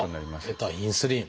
出たインスリン！